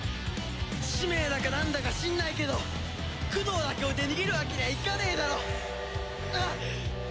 使命だかなんだか知んないけど九堂だけ置いて逃げるわけにはいかねえだろ！あっ！